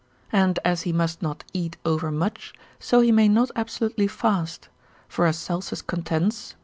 And as he must not eat overmuch, so he may not absolutely fast; for as Celsus contends, lib.